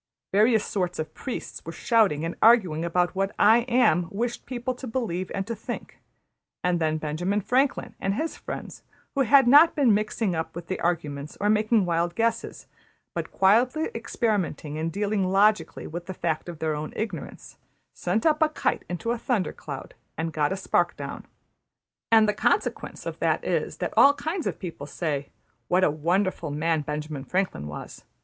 Various sorts of priests were shouting and arguing about what ``I Am'' wished people to believe and to think; and then Benjamin Franklin and his friends, who had not been mixing up with the argument or making wild guesses, but quietly experimenting and dealing logically with the fact of their own ignorance, sent up a kite into a thundercloud, and got a spark down; and the consequence of that is that all kinds of people say, ``What a wonderful man Benjamin Franklin was!''